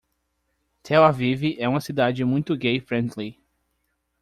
Tel Aviv é uma cidade muito gay friendly.